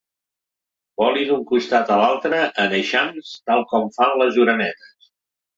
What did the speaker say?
Voli d'un costat a l'altre, en eixams, tal com fan les orenetes.